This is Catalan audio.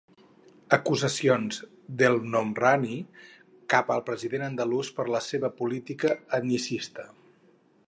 Acusacions d'El Homrani cap al president andalús per la seva "política etnicista"